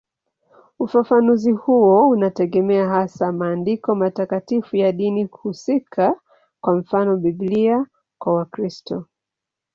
Ufafanuzi huo unategemea hasa maandiko matakatifu ya dini husika, kwa mfano Biblia kwa Wakristo.